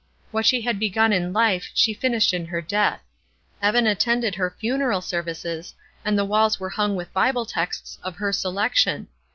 What she had begun in life she finished in her death. Evan attended her funeral services, and the walls were hung with Bible texts of her selection.